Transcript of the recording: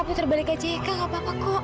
putar balik aja ya kak gak apa apa kok